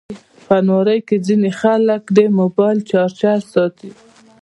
الماري کې ځینې خلک موبایل چارجر ساتي